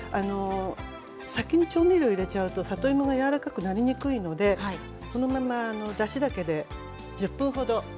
先に調味料を入れちゃうと里芋がやわらかくなりにくいのでこのまま、だしだけで１０分程。